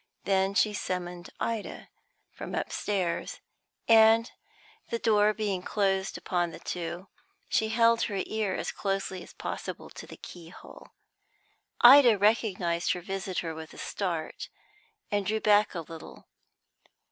Then she summoned Ida from upstairs, and, the door being closed upon the two, she held her ear as closely as possible to the keyhole. Ida recognised her visitor with a start, and drew back a little.